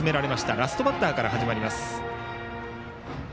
ラストバッターから始まっています。